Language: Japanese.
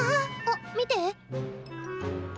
あっ見て。